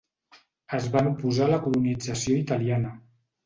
Es van oposar a la colonització italiana.